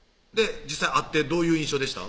実際会ってどういう印象でした？